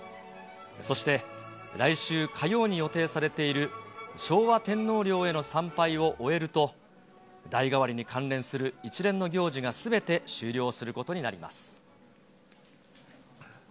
そして来週火曜に予定されている、昭和天皇陵への参拝を終えると、代替わりに関連する一連の行事がすべて終了することになります。